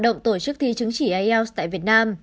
idp đã tổ chức thi chứng chỉ ielts tại việt nam